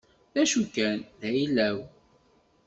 D acu kan, d ayla-w.